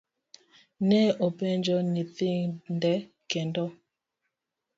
ne openjo nyithinde kendo.